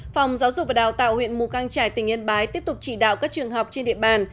phòng giáo dục và đào tạo huyện mù căng trải tỉnh yên bái tiếp tục chỉ đạo các trường học trên địa bàn